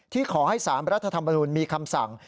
ที่ขอให้สามรัฐธรรมนูญมีคำสั่ง